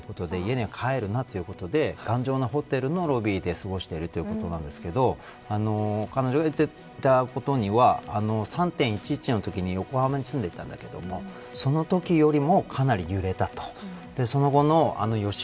免振とか耐震とかされていないということで家には帰るなということで頑丈なホテルのロビーで過ごしているということなんですけど彼女が言っていたことには３．１１のときに横浜に住んでたんだけどそのときよりもかなり揺れたと。